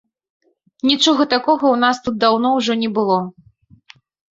Нічога такога ў нас тут даўно ўжо не было.